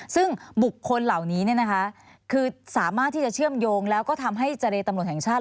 ซึ่งบุคคลเหล่านี้คือสามารถที่จะเชื่อมโยงแล้วก็ทำให้เจรตำรวจแห่งชาติ